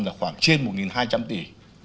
thì là khoảng trên một hai trăm linh tỷ